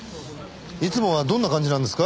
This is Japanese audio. いつもはどんな感じなんですか？